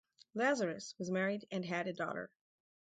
Lazarus was married and had a daughter.